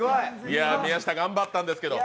宮下頑張ったんですけど。